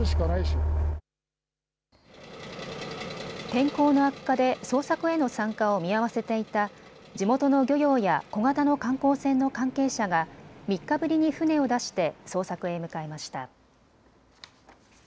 天候の悪化で捜索への参加を見合わせていた地元の漁業や小型の観光船の関係者が３日ぶりに船を出して捜索へ向かいました。